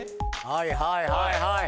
はいはいはいはい。